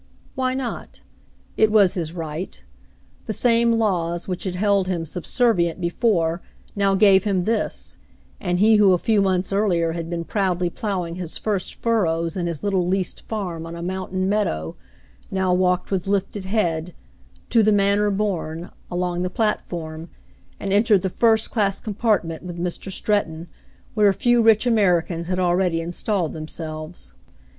Why not .^^ It was his right. The same laws which had held him subservient be fore, now gave him this, and he who a few months earlier had been proudly ploughing his first furrows in his little leased farm on a mountain meadow, now walked with lifted head, "to the manor born," along the platform, and entered the first class compartment with Mr. Stretton, where a few rich Americans had already installed them selves.